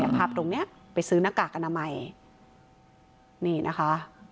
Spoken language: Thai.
ภาพตรงเนี้ยไปซื้อหน้ากากอนามัยนี่นะคะ